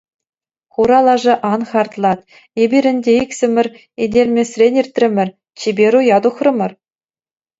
Хура лаша, ан хартлат: эпир ӗнтӗ иксӗмӗр ителмесрен иртрӗмӗр, чиперуя тухрӑмӑр.